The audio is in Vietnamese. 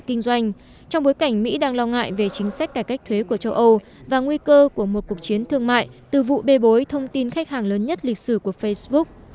trong bối cảnh mỹ đang lo ngại về chính sách cải cách thuế của châu âu và nguy cơ của một cuộc chiến thương mại từ vụ bê bối thông tin khách hàng lớn nhất lịch sử của facebook